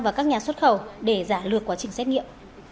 và các nhà xuất khẩu để giả lược quá trình xét nghiệm